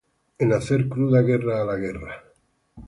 en hacer cruda guerra a la guerra: